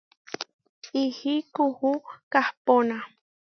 Ihí kuú kahpóna.